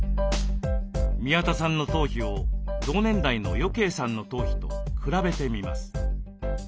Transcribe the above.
宮田さんの頭皮を同年代の余慶さんの頭皮と比べてみます。